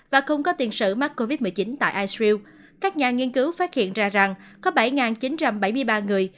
và không có tiền sử mắc covid một mươi chín tại id các nhà nghiên cứu phát hiện ra rằng có bảy chín trăm bảy mươi ba người